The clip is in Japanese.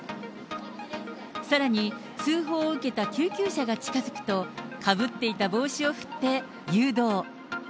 さらに、通報を受けた救急車が近づくと、かぶっていた帽子を振って誘導。